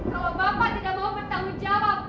rambut saya pecah